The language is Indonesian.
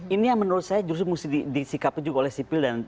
ini yang menurut saya justru mesti disikapkan juga oleh sipil dan tentara